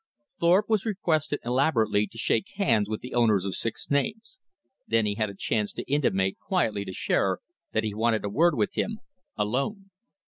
Thorpe was requested elaborately to "shake hands" with the owners of six names. Then he had a chance to intimate quietly to Shearer that he wanted a word with him alone.